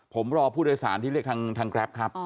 ผมรอผู้โดยสารที่เรียกทางแกรปครับ